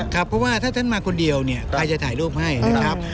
ครับเพราะว่าถ้าท่านมาคนเดียวเนี่ยใครจะถ่ายรูปให้นะครับ